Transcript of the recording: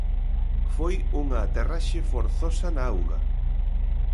Foi unha aterraxe forzosa na auga.